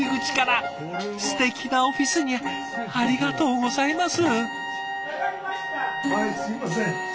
すてきなオフィスにありがとうございます！